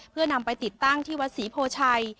เพื่อนำไปติดตั้งที่วัดศรีโพชัย